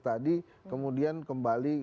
tadi kemudian kembali